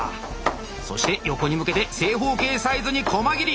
そして横に向けて正方形サイズにこま切り！